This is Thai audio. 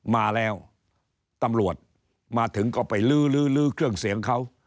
มาแล้วตำรวจมาถึงก็ไปลื้อเครื่องเสียงเขา